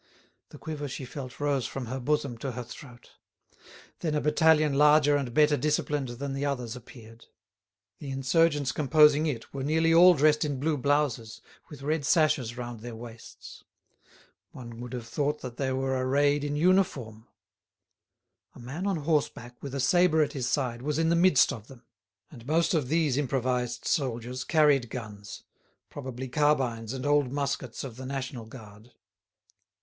The quiver she felt rose from her bosom to her throat. Then a battalion larger and better disciplined than the others appeared. The insurgents composing it were nearly all dressed in blue blouses, with red sashes round their waists. One would have thought they were arrayed in uniform. A man on horseback, with a sabre at his side, was in the midst of them. And most of these improvised soldiers carried guns, probably carbines and old muskets of the National Guard.